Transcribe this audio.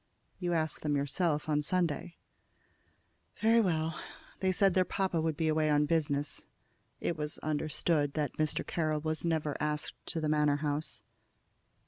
"You asked them yourself on Sunday." "Very well. They said their papa would be away on business." It was understood that Mr. Carroll was never asked to the Manor house.